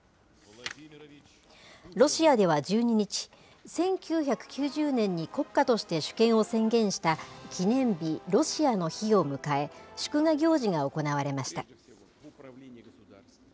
ロシアでは１２日、１９９０年に国家として主権を宣言した記念日、ロシアの日を迎え、祝賀行事が行われました。